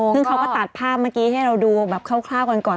ซึ่งเขาก็ตัดภาพเมื่อกี้ให้เราดูแบบคร่าวก่อน